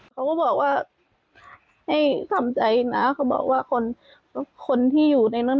เขาก็บอกว่าให้ทำใจนะเขาบอกว่าคนคนที่อยู่ในนั้น